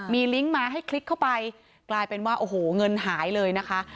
มีลิงก์มาให้คลิกเข้าไปกลายเป็นว่าโอ้โหเงินหายเลยนะคะ